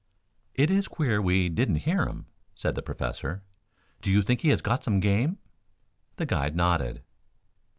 "It is queer we didn't hear him," said the Professor. "Do you think he got some game?" The guide nodded.